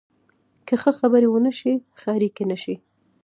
که ښه خبرې ونه شي، ښه اړیکې نشي